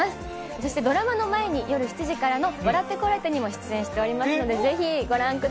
そしてドラマの前に、夜７時からの笑ってコラえて！にも出演してそうなんですか？